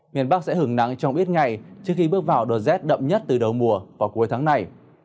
miền bắc sẽ hứng nắng trong ít ngày trước khi bước vào đợt rét đậm nhất từ đầu mùa vào cuối tháng này